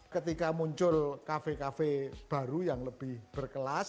ketika muncul kafe kafe baru yang lebih berkelas